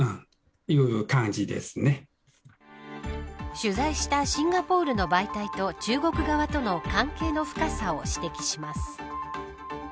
取材したシンガポールの媒体と中国側との関係の深さを指摘します。